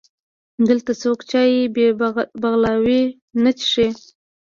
دلته څوک چای بې بغلاوې نه څښي.